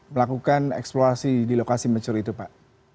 melakukan eksplorasi di lokasi mancur itu pak